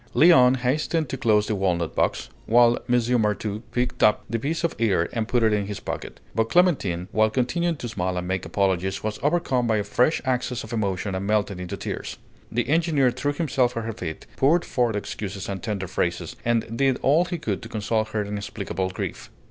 Léon hastened to close the walnut box, while M. Martout picked up the piece of ear and put it in his pocket. But Clémentine, while continuing to smile and make apologies, was overcome by a fresh access of emotion and melted into tears. The engineer threw himself at her feet, poured forth excuses and tender phrases, and did all he could to console her inexplicable grief.